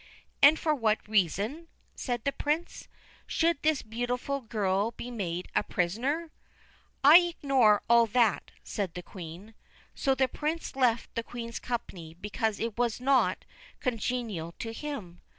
' And for what reason/ said the Prince, ' should this beautiful girl be made a prisoner ?'' I ignore all that/ said the Queen. So the Prince left the Queen's company because it was not congenial to him.